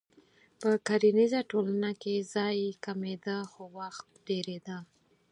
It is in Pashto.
په کرنیزه ټولنه کې ځای کمېده خو وخت ډېرېده.